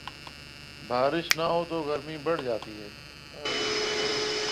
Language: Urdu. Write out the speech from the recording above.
بارش نہ ہوتو گرمی بڑھ جاتی ہے۔